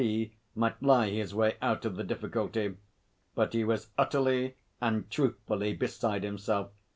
P., might lie his way out of the difficulty. But he was utterly and truthfully beside himself.